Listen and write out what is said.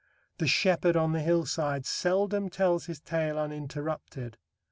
The shepherd on the hillside seldom tells his tale uninterrupted.